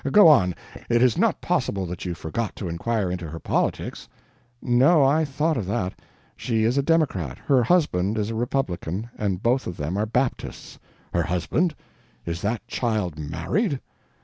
Go on it is not possible that you forgot to inquire into her politics?" "No, I thought of that. She is a democrat, her husband is a republican, and both of them are Baptists." "Her husband? Is that child married?"